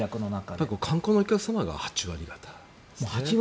観光のお客様が８割方ですね。